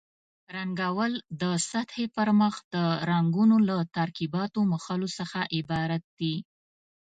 رنګول د سطحې پر مخ د رنګونو له ترکیباتو مښلو څخه عبارت دي.